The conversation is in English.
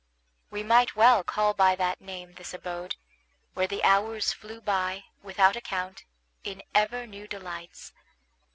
We might well call by that name this abode, where the hours flew by, without account, in ever new delights.